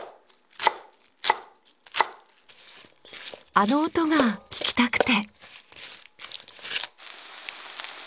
あの音が聞きたくて。